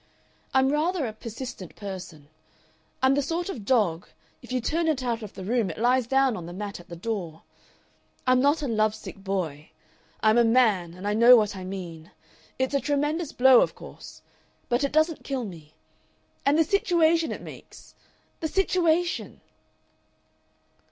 "I'm rather a persistent person. I'm the sort of dog, if you turn it out of the room it lies down on the mat at the door. I'm not a lovesick boy. I'm a man, and I know what I mean. It's a tremendous blow, of course but it doesn't kill me. And the situation it makes! the situation!"